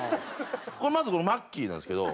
まずこのマッキーなんですけど。